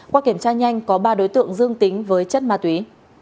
qua kiểm tra nhanh có ba đối tượng dương tính với chất ma túy